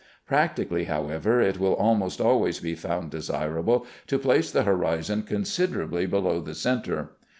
Practically, however, it will almost always be found desirable to place the horizon considerably below the centre.